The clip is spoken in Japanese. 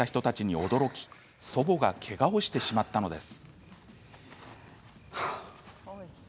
勝手に家に入ってきた人たちに驚き、祖母がけがをしてしまったのです。